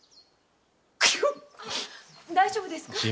大丈夫ですか？